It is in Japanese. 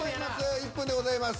１分でございます。